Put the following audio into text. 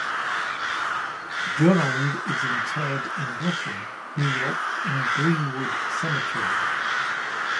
Durand is interred in Brooklyn, New York, in Green-Wood Cemetery.